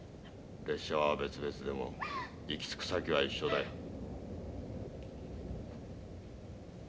列車は別々でも行き着く先は一緒だよ。